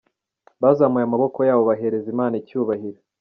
Bazamuye amaboko yabo bahereza Imana icyubahiro.